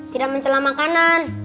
tidak mencelah makanan